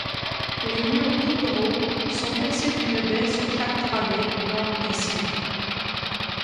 Les murs gouttereaux sont percés d'une baie sur chaque travée nord et sud.